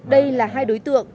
đây là hai đối tượng